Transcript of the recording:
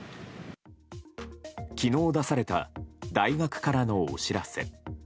昨日出された大学からのお知らせ。